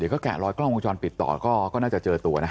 ก็แกะรอยกล้องวงจรปิดต่อก็น่าจะเจอตัวนะ